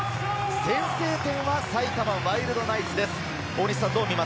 先制点はワイルドナイツです。